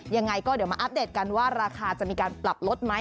ยังไงก็เดี๋ยวมาอัปเดตกันว่าราคาจะมีการปรับลดไหม